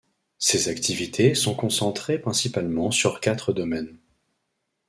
Ses activités sont concentrées principalement sur quatre domaines.